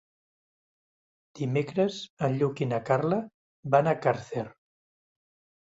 Dimecres en Lluc i na Carla van a Càrcer.